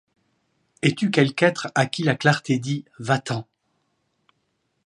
Es-tu quelque être à qui la clarté dit : Va-t-en !